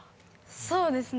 そうですね